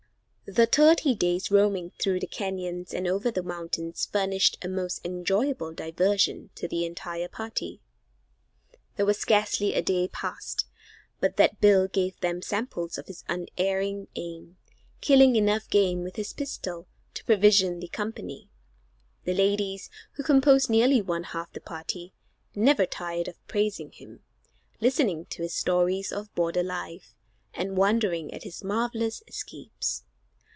The thirty days roaming through the canyons and over the mountains furnished a most enjoyable diversion to the entire party. There was scarcely a day passed but that Bill gave them samples of his unerring aim, killing enough game with his pistol to provision the company. The ladies, who composed nearly one half the party, never tired of praising him, listening to his stories of border life, and wondering at his marvelous escapes.